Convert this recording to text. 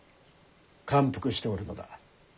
感服しておるのだ。